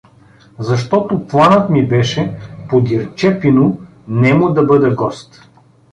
Защото планът ми беше подир Чепино нему да бъда гост.